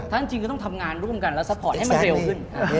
ถ้าจริงก็ต้องทำงานร่วมกันแล้วซัพพอร์ตให้มันเร็วขึ้น